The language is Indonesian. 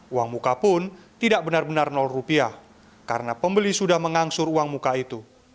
uang muka pun tidak benar benar rupiah karena pembeli sudah mengangsur uang muka itu